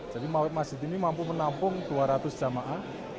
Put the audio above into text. jadi masjid ini mampu menampung dua ratus jamaah